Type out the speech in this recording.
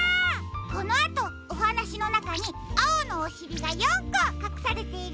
このあとおはなしのなかにあおのおしりが４こかくされているよ。